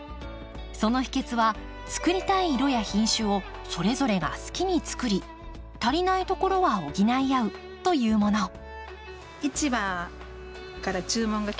その秘けつはつくりたい色や品種をそれぞれが好きにつくり足りないところは補い合うというもの。